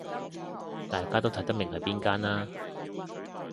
大家都睇得明係邊間啦